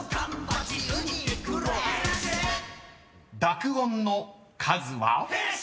［濁音の数は？］